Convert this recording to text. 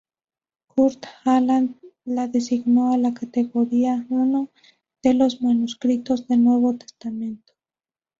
Kurt Aland la designó a la Categoría I de los manuscritos del Nuevo Testamento.